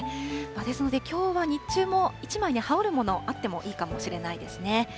ですので、きょうは日中も１枚羽織るものがあってもいいかもしれないですね。